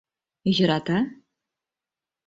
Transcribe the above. — Йӧрата?